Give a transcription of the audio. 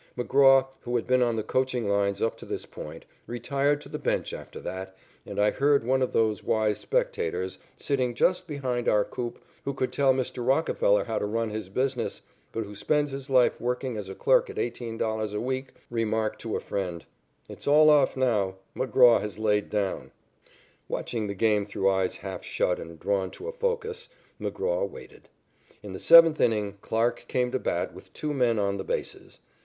McGraw, who had been on the coaching lines up to this point, retired to the bench after that, and I heard one of those wise spectators, sitting just behind our coop, who could tell Mr. Rockefeller how to run his business but who spends his life working as a clerk at $18 a week, remark to a friend: "It's all off now. McGraw has laid down." Watching the game through eyes half shut and drawn to a focus, McGraw waited. In the seventh inning Clarke came to bat with two men on the bases.